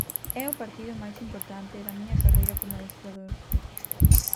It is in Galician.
É o partido máis importante da miña carreira como adestrador.